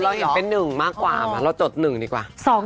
เราเห็นเป็น๑มากกว่ามาเราจด๑ดีกว่า